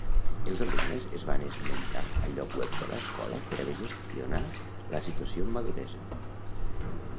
Els alumnes es van esmentar al lloc web de l'escola per haver gestionar la situació amb maduresa.